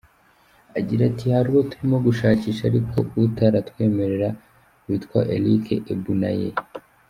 Agira ati “Hari uwo turimo gushakisha ariko utaratwemerera witwa Erike Ebunaye.